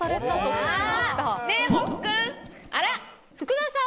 あら？